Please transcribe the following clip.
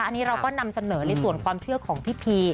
อันนี้เราก็นำเสนอในส่วนความเชื่อของพี่พี